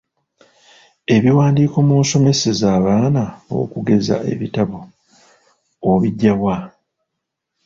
Ebiwandiiko mw’osomeseza abaana okugeza ebitabo obijja wa?